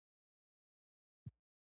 بزګر د نسلونو ساتونکی دی